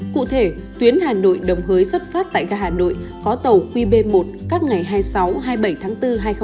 cụ thể tuyến hà nội đồng hới xuất phát tại gà hà nội có tàu qb một các ngày hai mươi sáu hai mươi bảy tháng bốn hai nghìn hai mươi